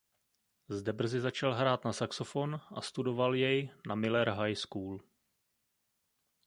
Zde brzy začal hrát na saxofon a studoval jej na Miller High School.